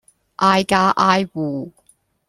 挨家挨戶